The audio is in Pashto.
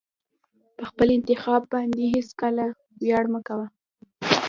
په خپل انتخاب باندې هېڅکله ویاړ مه کوه.